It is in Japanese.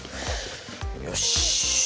よし。